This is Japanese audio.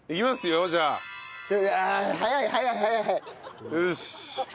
よし。